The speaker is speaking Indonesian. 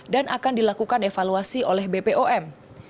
dan akan dilakukan evaluasi oleh bpom